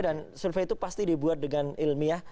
dan survei itu pasti dibuat dengan ilmiah